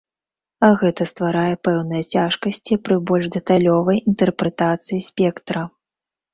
Гэта стварае пэўныя цяжкасці пры больш дэталёвай інтэрпрэтацыі спектра.